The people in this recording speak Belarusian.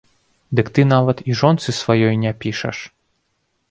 Дык ты нават і жонцы сваёй не пішаш.